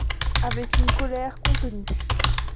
Avec une colère contenue.